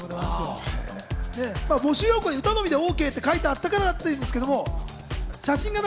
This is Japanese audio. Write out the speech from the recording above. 募集要項に歌のみでＯＫと書いてあったからだそうですけど。